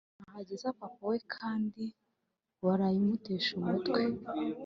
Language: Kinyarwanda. moto nahageze papa wawe kandi waraye umutesha umutwe